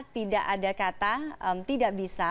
tidak ada kata tidak bisa